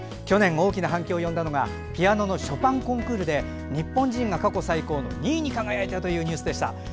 去年大きな反響を呼んだのがピアノのショパンコンクールで日本人が過去最高の２位に輝いたというニュースでした。